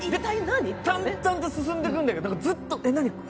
淡々と進んでいくんだけど、ずっと、何？